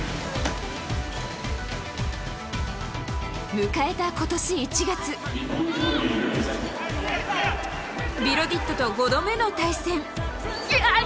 迎えた今年１月ビロディッドと５度目の対戦。